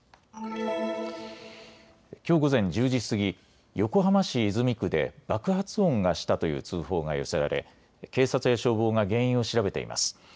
きょう午前１０時過ぎ、横浜市泉区で爆発音がしたという通報が寄せられ警察や消防が原因を調べています。